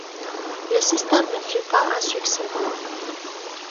Le système ne fut pas un succès.